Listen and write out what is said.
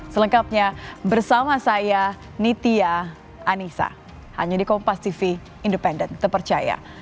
selengkapnya bersama saya nitia anissa hanya di kompas tv independen terpercaya